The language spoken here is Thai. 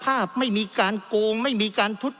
เพราะเรามี๕ชั่วโมงครับท่านนึง